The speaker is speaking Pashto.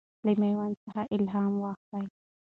له میوند څخه الهام واخله.